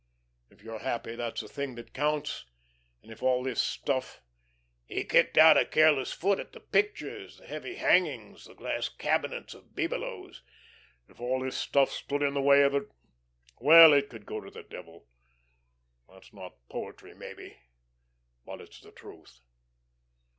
if you're happy, that's the thing that counts, and if all this stuff," he kicked out a careless foot at the pictures, the heavy hangings, the glass cabinets of bibelots, "if all this stuff stood in the way of it well it could go to the devil! That's not poetry maybe, but it's the truth."